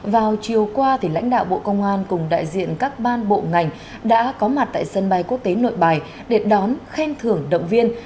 vào chiều qua lãnh đạo bộ công an cùng đại diện các ban bộ ngành đã có mặt tại sân bay quốc tế nội bài để đón khen thưởng động viên